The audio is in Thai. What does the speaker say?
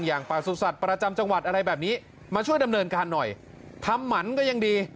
ประสุทธิ์ประจำจังหวัดอะไรแบบนี้มาช่วยดำเนินการหน่อยทำหมันก็ยังดี